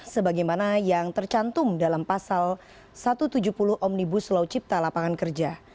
sebagaimana yang tercantum dalam pasal satu ratus tujuh puluh omnibus law cipta lapangan kerja